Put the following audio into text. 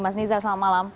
mas nizar selamat malam